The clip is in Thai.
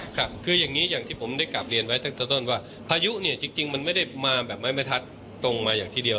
ค่ะคืออย่างนี้อย่างที่ผมได้กลับเรียนไว้ตั้งแต่ต้นว่าพายุเนี่ยจริงมันไม่ได้มาแบบไม้แม่ทัดตรงมาอย่างที่เดียว